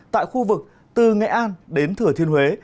tại khu vực từ nghệ an đến thừa thiên huế